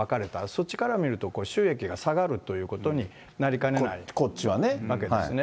そっちから見ると、収益が下がるということになりかねないわけですね。